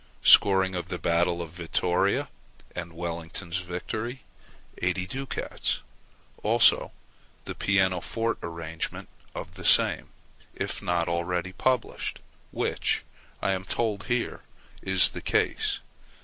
Score of the "Battle of Vittoria" and "Wellington's Victory," 80 ducats; also the pianoforte arrangement of the same, if not already published, which, I am told here, is the case.